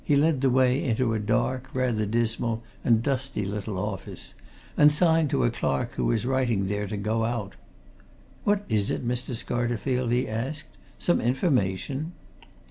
He led the way into a dark, rather dismal and dusty little office, and signed to a clerk who was writing there to go out. "What is it, Mr. Scarterfield?" he asked. "Some information?"